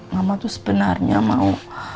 mama tuh sebenarnya mau